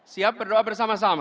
siap berdoa bersama sama